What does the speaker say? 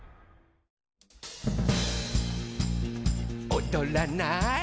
「おどらない？」